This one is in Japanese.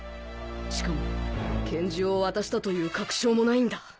しかも拳銃を渡したという確証もないんだ